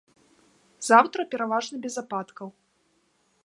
Заўтра пераважна без ападкаў.